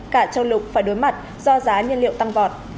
cả châu lục phải đối mặt do giá nhiên liệu tăng vọt